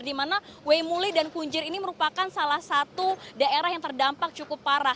di mana weimuli dan kunjir ini merupakan salah satu daerah yang terdampak cukup parah